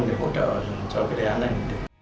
để hỗ trợ cho cái đề án này